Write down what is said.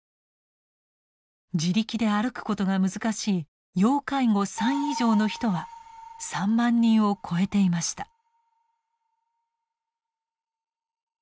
自力で歩くことが難しい要介護３以上の人は３万人を超えていました。